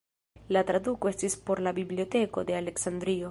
La traduko estis por la Biblioteko de Aleksandrio.